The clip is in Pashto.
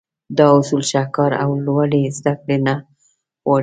دا اصول شهکار او لوړې زدهکړې نه غواړي.